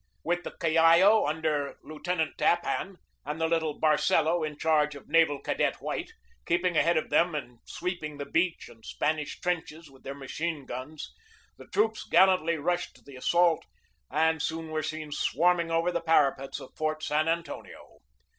With the Callao, under Lieutenant Tappan, and the little Barcelo, in charge of Naval Cadet White, keeping ahead of them and sweeping the beach and Spanish trenches with their machine guns, the troops gallantly rushed to the assault and soon were seen swarming over the para pet of Fort San Antonio.